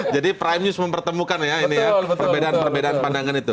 jadi prime news mempertemukan ya perbedaan perbedaan pandangan itu